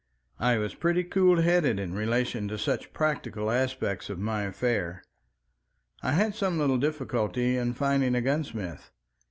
I was pretty cool headed in relation to such practical aspects of my affair. I had some little difficulty in finding a gunsmith.